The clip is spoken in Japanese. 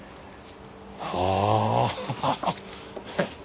ああ。